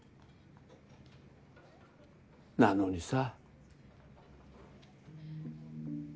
なのにさ。